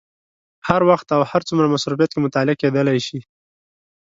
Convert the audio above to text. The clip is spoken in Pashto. هر وخت او هر څومره مصروفیت کې مطالعه کېدای شي.